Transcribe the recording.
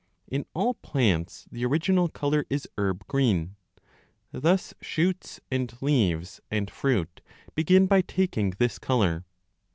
In all 20 plants the original colour is herb green ; thus shoots and leaves and fruit begin by taking this colour.